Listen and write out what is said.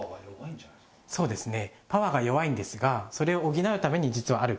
そうですね